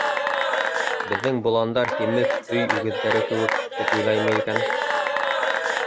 Беҙҙең боландар һимеҙ өй үгеҙҙәре кеүек тип уйлаймы икән?